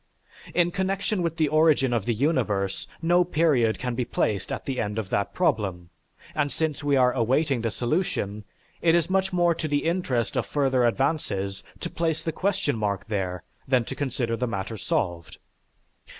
In connection with the origin of the universe, no period can be placed at the end of that problem, and since we are awaiting the solution, it is much more to the interest of further advances to place the question mark there, than to consider the matter solved.